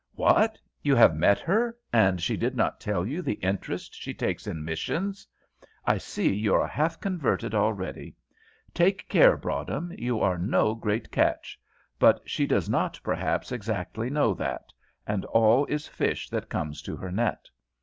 "What! you have met her, and she did not tell you the interest she takes in missions? I see you are half converted already. Take care, Broadhem; you are no great catch; but she does not, perhaps, exactly know that, and all is fish that comes to her net.